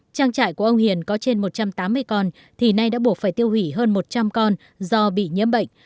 trang trại của ông hiền có trên một trăm tám mươi con thì nay đã buộc phải tiêu hủy hơn một trăm linh con do bị nhiễm bệnh